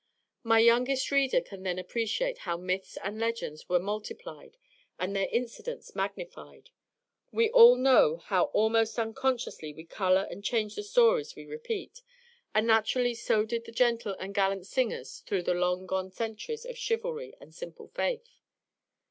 My youngest reader can then appreciate how myths and legends were multiplied and their incidents magnified. We all know how almost unconsciously we color and change the stories we repeat, and naturally so did our gentle and gallant singers through the long gone centuries of chivalry and simple faith.